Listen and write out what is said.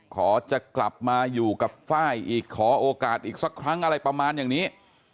ขอจะกลับมาอยู่กับไฟล์อีกขอโอกาสอีกสักครั้งอะไรประมาณอย่างนี้